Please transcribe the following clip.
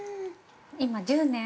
◆今、１０年？